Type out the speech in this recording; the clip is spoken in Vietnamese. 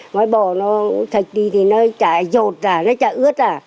ngói bò nó thạch đi thì nó chạy dột ra nó chạy ướt ra